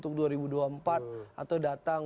untuk dua ribu dua puluh empat atau datang